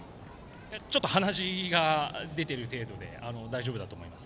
ちょっと鼻血が出ている程度で大丈夫だと思います。